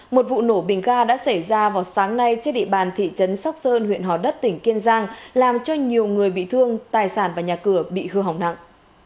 một vụ nổ bình ga đã xảy ra vào sáng nay trên địa bàn thị trấn sóc sơn huyện hò đất tỉnh kiên giang làm cho nhiều người bị thương tài sản và nhà cửa bị hư hỏng nặng